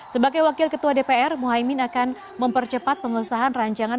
sebagai wakil ketua dpr muhaymin akan mempercepat pengesahan rancangan